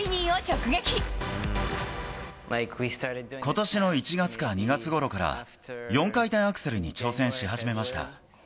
ことしの１月か２月ごろから、４回転アクセルに挑戦し始めました。